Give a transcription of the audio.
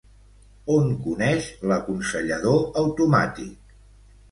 On coneix l'aconsellador automàtic?